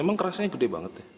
emang kerasanya gede banget ya